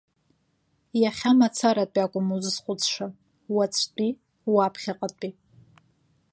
Иахьа мацаратәи акәым узызхәыцша, уаҵәтәи, уаԥхьаҟатәи.